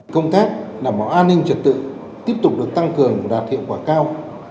công tác bảo đảm an ninh trật tự tiếp tục được tăng cường và đạt hiệu quả cao